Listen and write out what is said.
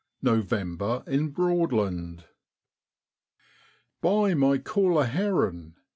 NOVEMEEE IN BKOADLAND. Buy my caller herrin'